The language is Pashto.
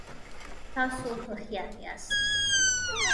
تاسو هوښیار یاست